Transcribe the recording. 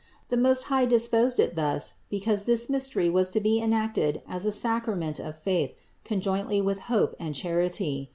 The Most High disposed it thus, because this mystery was to be enacted as a sacrament of faith conjointly with hope and char ity.